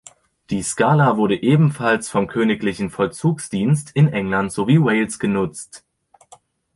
Die Skala wurde ebenfalls vom Königlichen Vollzugsdienst in England sowie Wales genutzt.